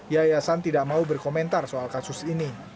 yayasan tidak mau berkomentar soal kasus ini